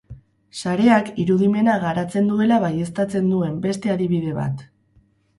Sareak irudimena garatzen duela baieztatzen duen beste adibide bat.